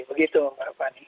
begitu pak fani